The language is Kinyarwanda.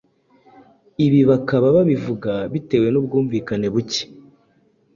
Ibi bakaba babivuga bitewe n’ubwumvikane buke